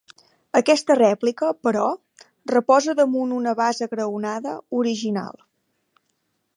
Aquesta rèplica, però, reposa damunt una basa graonada, original.